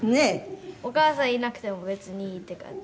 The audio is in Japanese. お母さんいなくても別にいいって感じ。